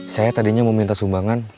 saya tadinya mau minta sumbangan